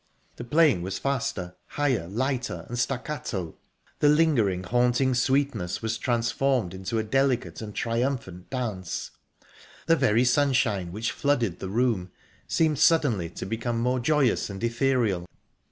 The playing was faster, higher, lighter, and staccato. The lingering, haunting sweetness was transformed into a delicate and triumphant dance; the very sunshine which flooded the room seemed suddenly to become more joyous and ethereal...